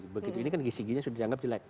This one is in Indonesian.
begitu ini kan gcg nya sudah dianggap jelek